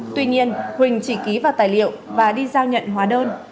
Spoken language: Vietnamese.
tuy nhiên huỳnh chỉ ký vào tài liệu và đi giao nhận hóa đơn